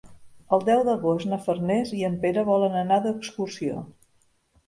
El deu d'agost na Farners i en Pere volen anar d'excursió.